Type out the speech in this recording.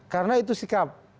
karena itu sikap